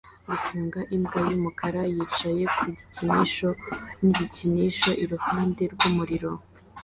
Gufunga imbwa yumukara yicaye ku gikinisho n igikinisho iruhande rwumuriro